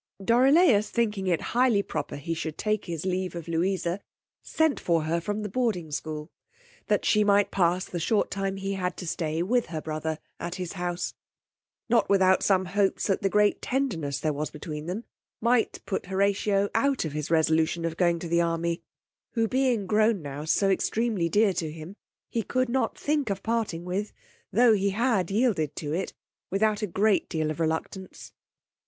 Dorilaus thinking it highly proper he should take his leave of Louisa, sent for her from the boarding school, that she might pass the short time he had to stay with her brother at his house, not without some hopes that the great tenderness there was between them might put Horatio out of his resolution of going to the army, who being grown now extremely dear to him, he could not think of parting with, tho' he had yielded to it, without a great deal of reluctance.